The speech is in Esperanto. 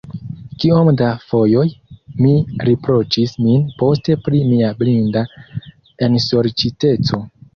Kiom da fojoj mi riproĉis min poste pri mia blinda ensorĉiteco!